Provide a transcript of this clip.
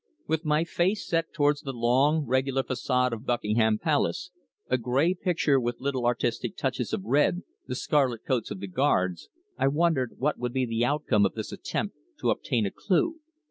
With my face set towards the long, regular facade of Buckingham Palace a grey picture with little artistic touches of red, the scarlet coats of the Guards I wondered what would be the outcome of this attempt to obtain a clue.